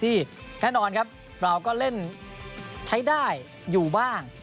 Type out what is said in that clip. แน่นอนครับเราก็เล่นใช้ได้อยู่บ้าง